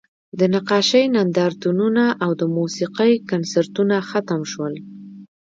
د نقاشۍ نندارتونونه او د موسیقۍ کنسرتونه ختم شول